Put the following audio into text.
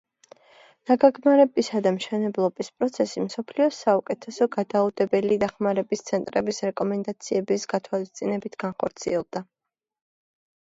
დაგეგმარებისა და მშენებლობის პროცესი მსოფლიოს საუკეთესო გადაუდებელი დახმარების ცენტრების რეკომენდაციების გათვალისწინებით განხორციელდა.